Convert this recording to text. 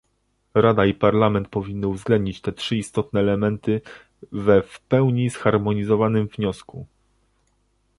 Rada i Parlament powinny uwzględnić te trzy istotne elementy we w pełni zharmonizowanym wniosku